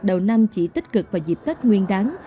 đầu năm chỉ tích cực vào dịp tết nguyên đáng